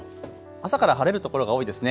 朝から晴れる所が多いですね。